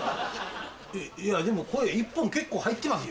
いやでも１本結構入ってますよ。